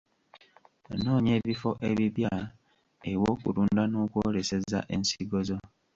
Noonya ebifo ebipya ew’okutunda n’okwoleseza ensigo zo.